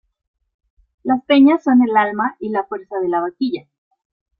Las peñas son el alma y la fuerza de La Vaquilla.